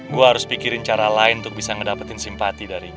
gue harus pikirin cara lain untuk bisa ngedapetin simpati darinya